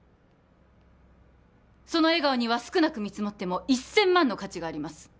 その笑顔には少なく見積もっても１０００万の価値があります